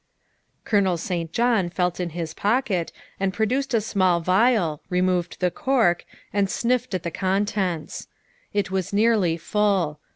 Colonel St. John felt in his pocket and produced a small vial, removed the cork, and sniffed at the contents. It was nearly full.